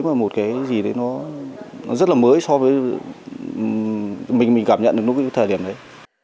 mà một cái gì đấy nó rất là mới so với mình cảm nhận được nó cái thời điểm đấy